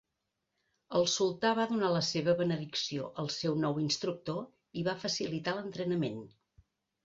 El sultà va donar la seva benedicció al seu nou instructor i va facilitar l'entrenament.